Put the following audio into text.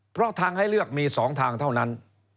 เพราะทางให้เลือกมี๒ทางเท่านั้น